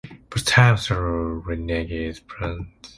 Both teams are renegades bands.